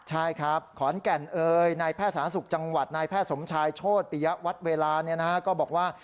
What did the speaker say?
ใช่ครับขอนแก่นเอยนายแพทย์สหสมชายโชฯปริยะวัฒเวลาก็บอกว่า